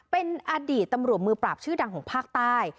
เป็นอดีตตำรวจมือปราบชื่อดังของภาคใต้